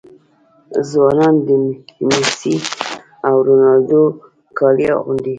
ځوانان د میسي او رونالډو کالي اغوندي.